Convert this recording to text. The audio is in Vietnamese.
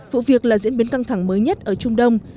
vụ việc là diễn biến căng thẳng mới nhất ở trung đông